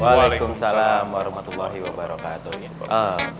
waalaikumsalam warahmatullahi wabarakatuh